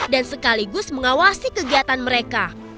dan sekaligus mengawasi kegiatan mereka